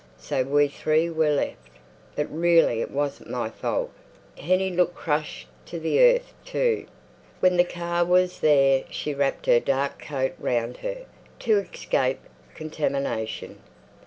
So we three were left. But really it wasn't my fault. Hennie looked crushed to the earth, too. When the car was there she wrapped her dark coat round her—to escape contamination.